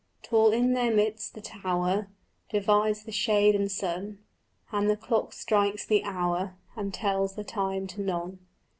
Tall in their midst the tower Divides the shade and sun, And the clock strikes the hour And tells the time to none.